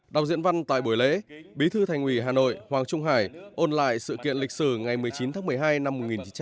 đọc diễn văn tại buổi lễ bí thư thành ủy hà nội hoàng trung hải ôn lại sự kiện lịch sử ngày một mươi chín tháng một mươi hai năm một nghìn chín trăm bảy mươi năm